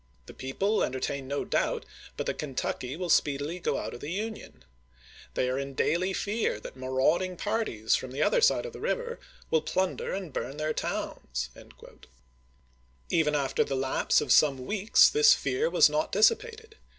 The people entertain no doubt but that Kentucky Mopto^ ^^ will speedily go out of the Union. They are in A^pl^s.Ts^i daily fear that marauding parties from the other series ni side of the river will plunder and burn their towns." Even after the lapse of some weeks this fear was not dissipated.